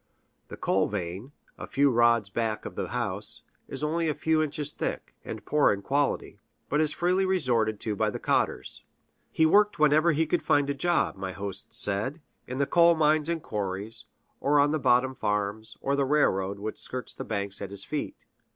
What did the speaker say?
The coal vein, a few rods back of the house, is only a few inches thick, and poor in quality, but is freely resorted to by the cotters. He worked whenever he could find a job, my host said in the coal mines and quarries, or on the bottom farms, or the railroad which skirts the bank at his feet.